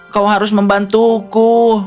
kau harus membantuku